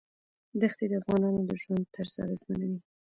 دښتې د افغانانو د ژوند طرز اغېزمنوي.